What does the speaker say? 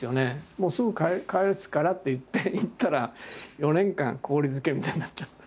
「もうすぐ帰すから」って言って行ったら４年間氷漬けみたいになっちゃった。